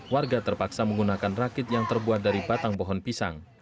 warga terpaksa menggunakan rakit yang terbuat dari batang pohon pisang